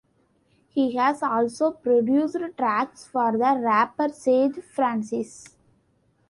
He has also produced tracks for the rapper Sage Francis.